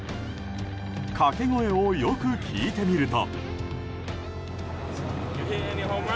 掛け声をよく聞いてみると。